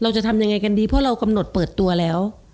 จะทำยังไงกันดีเพราะเรากำหนดเปิดตัวแล้ว